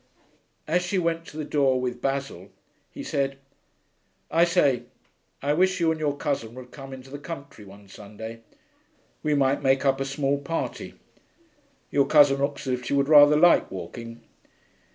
As she went to the door with Basil, he said, 'I say, I wish you and your cousin would come into the country one Sunday. We might make up a small party. Your cousin looks as if she would rather like walking.'